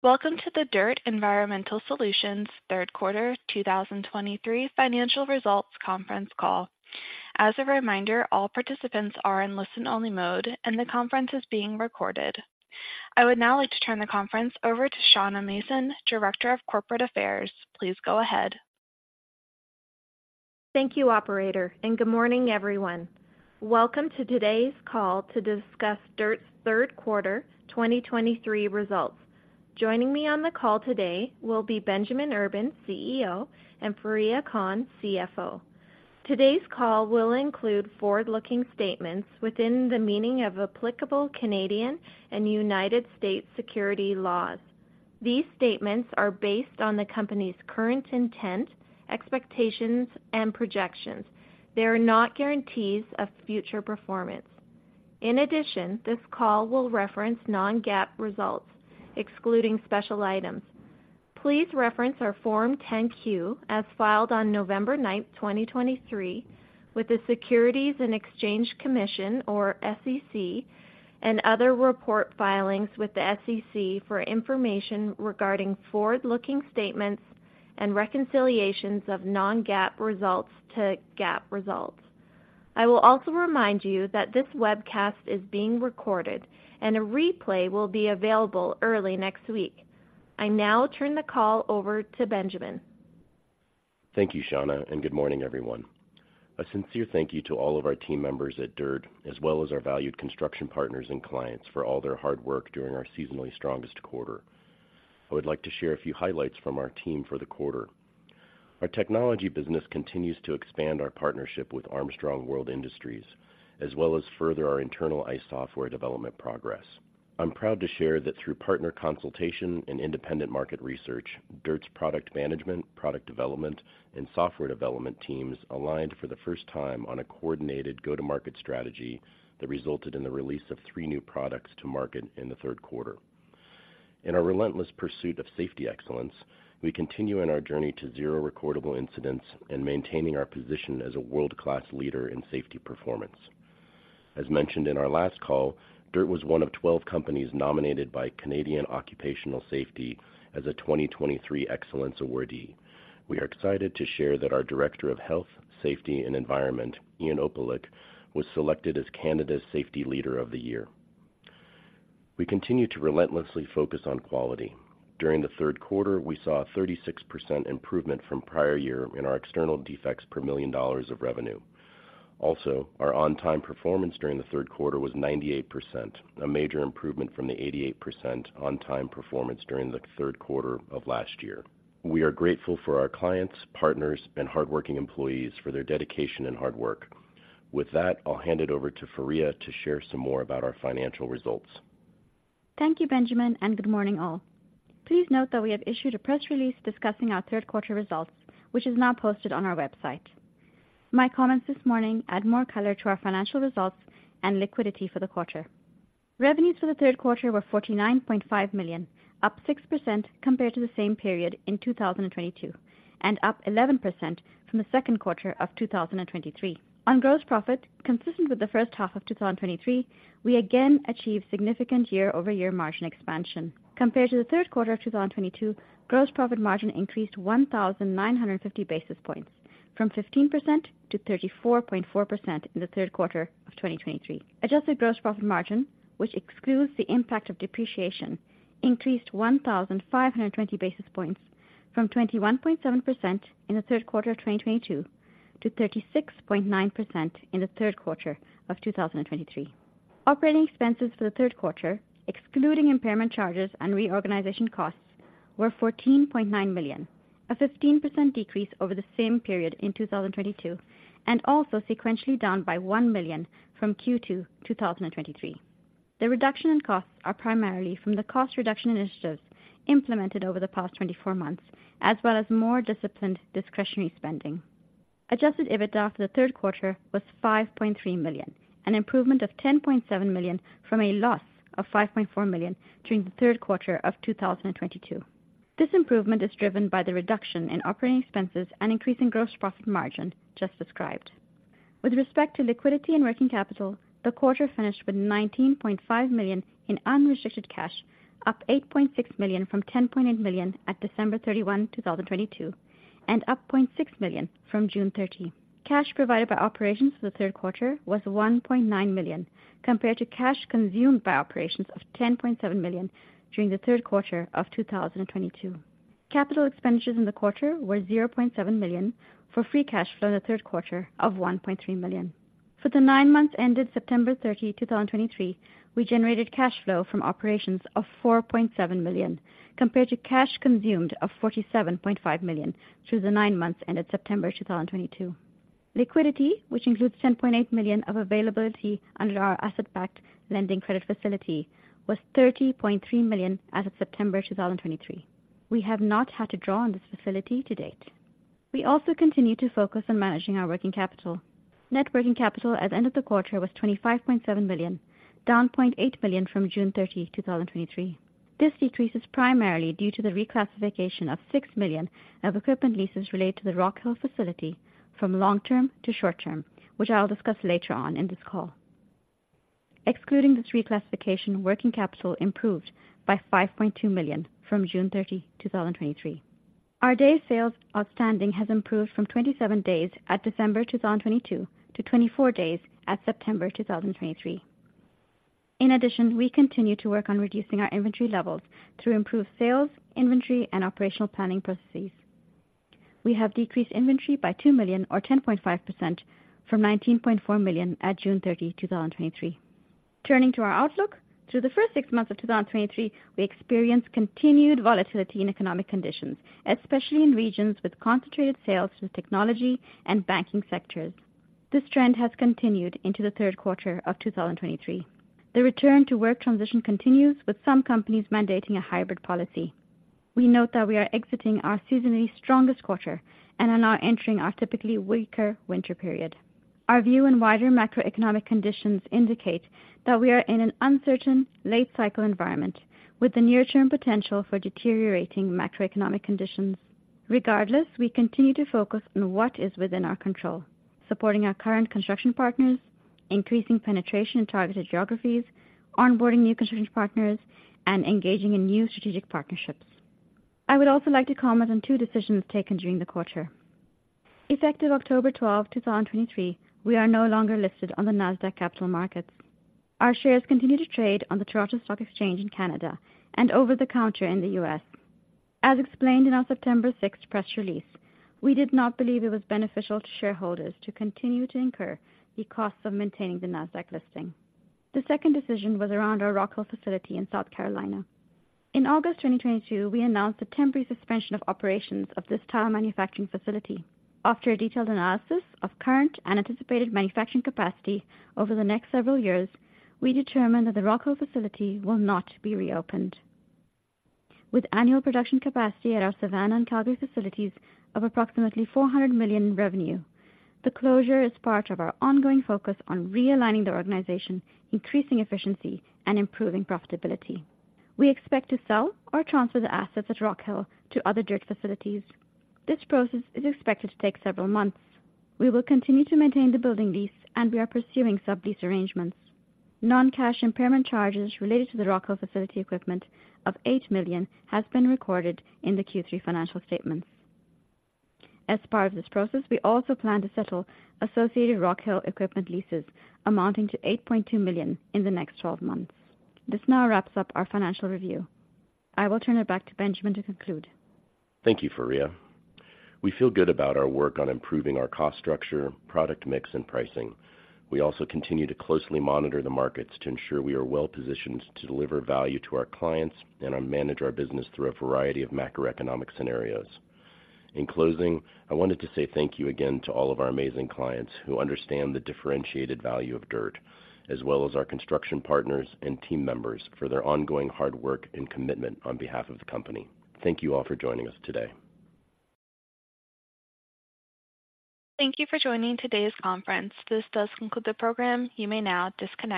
Welcome to the DIRTT Environmental Solutions third quarter 2023 financial results conference call. As a reminder, all participants are in listen-only mode, and the conference is being recorded. I would now like to turn the conference over to Shauna Mason, Director of Corporate Affairs. Please go ahead. Thank you, operator, and good morning, everyone. Welcome to today's call to discuss DIRTT's third quarter, 2023 results. Joining me on the call today will be Benjamin Urban, CEO, and Fareeha Khan, CFO. Today's call will include forward-looking statements within the meaning of applicable Canadian and United States security laws. These statements are based on the company's current intent, expectations, and projections. They are not guarantees of future performance. In addition, this call will reference non-GAAP results, excluding special items. Please reference our Form 10-Q, as filed on November 9, 2023, with the Securities and Exchange Commission, or SEC, and other report filings with the SEC for information regarding forward-looking statements and reconciliations of non-GAAP results to GAAP results. I will also remind you that this webcast is being recorded and a replay will be available early next week. I now turn the call over to Benjamin. Thank you, Shauna, and good morning, everyone. A sincere thank you to all of our team members at DIRTT, as well as our valued construction partners and clients for all their hard work during our seasonally strongest quarter. I would like to share a few highlights from our team for the quarter. Our technology business continues to expand our partnership with Armstrong World Industries, as well as further our internal ICE software development progress. I'm proud to share that through partner consultation and independent market research, DIRTT's product management, product development, and software development teams aligned for the first time on a coordinated go-to-market strategy that resulted in the release of three new products to market in the third quarter. In our relentless pursuit of safety excellence, we continue in our journey to zero recordable incidents and maintaining our position as a world-class leader in safety performance. As mentioned in our last call, DIRTT was one of 12 companies nominated by Canadian Occupational Safety as a 2023 Excellence awardee. We are excited to share that our Director of Health, Safety, and Environment, Ian Opelik, was selected as Canada's Safety Leader of the Year. We continue to relentlessly focus on quality. During the third quarter, we saw a 36% improvement from prior year in our external defects per million dollars of revenue. Also, our on-time performance during the third quarter was 98%, a major improvement from the 88% on-time performance during the third quarter of last year. We are grateful for our clients, partners, and hardworking employees for their dedication and hard work. With that, I'll hand it over to Fareeha to share some more about our financial results. Thank you, Benjamin, and good morning, all. Please note that we have issued a press release discussing our third quarter results, which is now posted on our website. My comments this morning add more color to our financial results and liquidity for the quarter. Revenues for the third quarter were $49.5 million, up 6% compared to the same period in 2022, and up 11% from the second quarter of 2023. On gross profit, consistent with the first half of 2023, we again achieved significant year-over-year margin expansion. Compared to the third quarter of 2022, gross profit margin increased 1,950 basis points, from 15%-34.4% in the third quarter of 2023. Adjusted gross profit margin, which excludes the impact of depreciation, increased 1,520 basis points from 21.7% in the third quarter of 2022 to 36.9% in the third quarter of 2023. Operating expenses for the third quarter, excluding impairment charges and reorganization costs, were $14.9 million, a 15% decrease over the same period in 2022, and also sequentially down by $1 million from Q2 2023. The reduction in costs are primarily from the cost reduction initiatives implemented over the past 24 months, as well as more disciplined discretionary spending. Adjusted EBITDA for the third quarter was $5.3 million, an improvement of $10.7 million from a loss of $5.4 million during the third quarter of 2022. This improvement is driven by the reduction in operating expenses and increase in gross profit margin just described. With respect to liquidity and working capital, the quarter finished with $19.5 million in unrestricted cash, up $8.6 million from $10.8 million at December 31, 2022, and up $0.6 million from June 30. Cash provided by operations for the third quarter was $1.9 million, compared to cash consumed by operations of $10.7 million during the third quarter of 2022. Capital expenditures in the quarter were $0.7 million for free cash flow in the third quarter of $1.3 million. For the nine months ended September 30, 2023, we generated cash flow from operations of $4.7 million, compared to cash consumed of $47.5 million through the nine months ended September 2023. Liquidity, which includes $10.8 million of availability under our asset-backed lending credit facility, was $30.3 million as of September 2023. We have not had to draw on this facility to date. We also continue to focus on managing our working capital. Net working capital at the end of the quarter was $25.7 million, down $0.8 million from June 30, 2023. This decrease is primarily due to the reclassification of $6 million of equipment leases related to the Rock Hill facility from long-term to short-term, which I'll discuss later on in this call. Excluding the reclassification, working capital improved by $5.2 million from June 30, 2023. Our Days Sales Outstanding has improved from 27 days at December 2022 to 24 days at September 2023. In addition, we continue to work on reducing our inventory levels to improve sales, inventory, and operational planning processes. We have decreased inventory by $2 million, or 10.5%, from $19.4 million at June 30, 2023. Turning to our outlook, through the first six months of 2023, we experienced continued volatility in economic conditions, especially in regions with concentrated sales to the technology and banking sectors. This trend has continued into the third quarter of 2023. The return to work transition continues, with some companies mandating a hybrid policy. We note that we are exiting our seasonally strongest quarter and are now entering our typically weaker winter period. Our view and wider macroeconomic conditions indicate that we are in an uncertain late cycle environment, with the near-term potential for deteriorating macroeconomic conditions. Regardless, we continue to focus on what is within our control, supporting our current construction partners, increasing penetration in targeted geographies, onboarding new construction partners, and engaging in new strategic partnerships. I would also like to comment on two decisions taken during the quarter. Effective October 12, 2023, we are no longer listed on the Nasdaq Capital Markets. Our shares continue to trade on the Toronto Stock Exchange in Canada and over-the-counter in the U.S. As explained in our September 6 press release, we did not believe it was beneficial to shareholders to continue to incur the costs of maintaining the Nasdaq listing. The second decision was around our Rock Hill facility in South Carolina. In August 2022, we announced a temporary suspension of operations of this tile manufacturing facility. After a detailed analysis of current and anticipated manufacturing capacity over the next several years, we determined that the Rock Hill facility will not be reopened. With annual production capacity at our Savannah and Calgary facilities of approximately $400 million in revenue, the closure is part of our ongoing focus on realigning the organization, increasing efficiency, and improving profitability. We expect to sell or transfer the assets at Rock Hill to other DIRTT facilities. This process is expected to take several months. We will continue to maintain the building lease, and we are pursuing sublease arrangements. Non-cash impairment charges related to the Rock Hill facility equipment of $8 million has been recorded in the Q3 financial statements. As part of this process, we also plan to settle associated Rock Hill equipment leases amounting to $8.2 million in the next twelve months. This now wraps up our financial review. I will turn it back to Benjamin to conclude. Thank you, Fareeha. We feel good about our work on improving our cost structure, product mix, and pricing. We also continue to closely monitor the markets to ensure we are well positioned to deliver value to our clients and manage our business through a variety of macroeconomic scenarios. In closing, I wanted to say thank you again to all of our amazing clients who understand the differentiated value of DIRTT, as well as our construction partners and team members for their ongoing hard work and commitment on behalf of the company. Thank you all for joining us today. Thank you for joining today's conference. This does conclude the program. You may now disconnect.